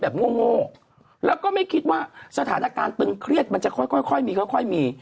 และก็ไม่คิดว่าสถานการณ์ตึงเครียดมันจะค่อยมี